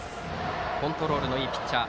コントロールのいいピッチャー。